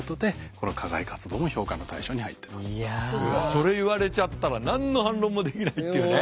それ言われちゃったら何の反論もできないっていうね。